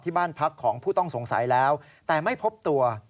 บ้านพักของผู้ต้องสงสัยแล้วแต่ไม่พบตัว